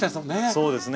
そうですね。